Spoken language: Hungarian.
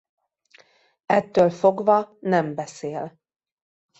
Ettől fogva nem beszél.